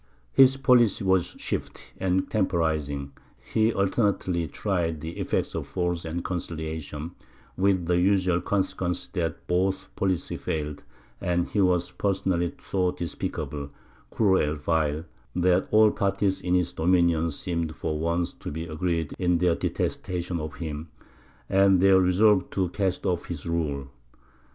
His policy was shifty and temporizing; he alternately tried the effects of force and conciliation, with the usual consequence that both policies failed; and he was personally so despicable, cruel, and vile, that all parties in his dominions seemed for once to be agreed in their detestation of him, and their resolve to cast off his rule.